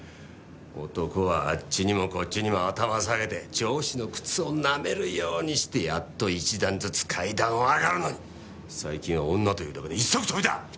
男はあっちにもこっちにも頭下げて上司の靴をなめるようにしてやっと一段ずつ階段を上がるのに最近は女というだけで一足飛びだ！